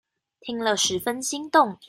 聽了十分心動